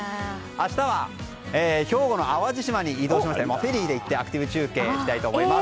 明日は兵庫の淡路島に移動しましてフェリーで行ってアクティブ中継したいと思います。